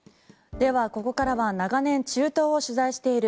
では、ここからは長年中東を取材している